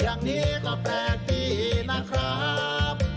อย่างนี้ก็แปลกดีนะครับ